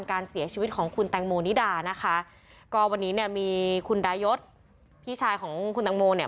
การเสียชีวิตของคุณแตงโมนิดานะคะก็วันนี้เนี่ยมีคุณดายศพี่ชายของคุณตังโมเนี่ย